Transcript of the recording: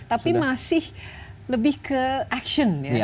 tapi masih lebih ke action ya